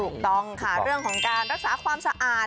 ถูกต้องค่ะเรื่องของการรักษาความสะอาด